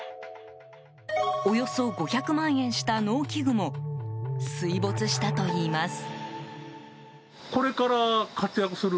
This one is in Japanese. およそ５００万円した農機具も水没したといいます。